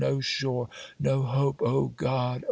no shore! no hope! O God!